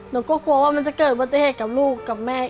เราก็กลัวว่ามันจะเกิดปฏิเสธกับลูกกับแม่